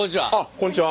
こんにちは。